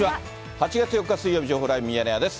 ８月４日水曜日、情報ライブミヤネ屋です。